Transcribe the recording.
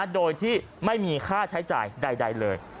โดยที่ไม่มีค่าใช้จ่ายใดเลย